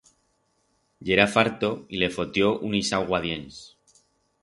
Yera farto y le fotió un ixauguadients.